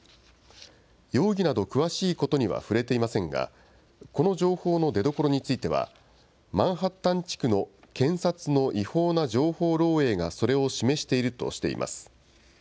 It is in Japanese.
容疑など詳しいことには触れていませんが、この情報の出どころについては、マンハッタン地区の検察の違法な情報漏えいがそれを示しているとしています。